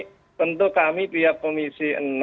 jadi tentu kami pihak komisi